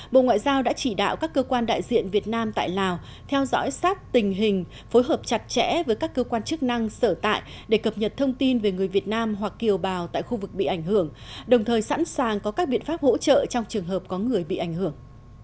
bộ ngoại giao đã chỉ đạo các cơ quan đại diện việt nam tại lào theo dõi sát tình hình phối hợp chặt chẽ với các cơ quan chức năng sở tại để cập nhật thông tin về người việt nam hoặc kiều bào tại khu vực bị ảnh hưởng đồng thời sẵn sàng có các biện pháp hỗ trợ trong trường hợp có người bị ảnh hưởng